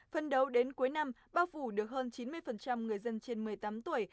phân đấu đến cuối năm bao phủ được hơn chín mươi người dân trên một mươi tám tuổi